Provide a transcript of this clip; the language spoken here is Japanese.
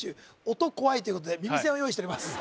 音怖いということで耳栓を用意してます